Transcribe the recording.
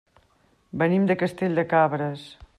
Venim de Castell de Cabres.